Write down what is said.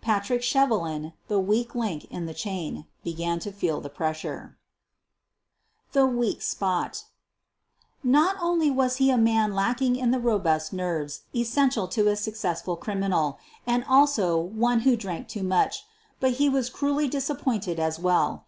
Patrick Shevelin, the weak link of the chain, began to feel the pressure. QUEEN OF THE BURGLARS 167 THE WEAK SPOT Not only was he a man lacking in the robust nerves essential to a successful criminal, and also one who drank too much, but he was cruelly dis appointed as well.